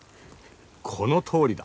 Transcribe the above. このとおりだ。